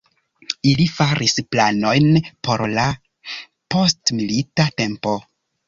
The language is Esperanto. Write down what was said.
Ili faris planojn por la postmilita tempo.